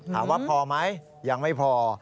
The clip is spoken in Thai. ถามว่าพอไหมยังไม่พอ